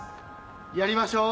やりましょう？